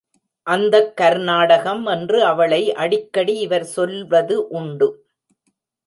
அந்தக் கர்நாடகம் என்று அவளை அடிக்கடி இவர் சொல்வது உண்டு.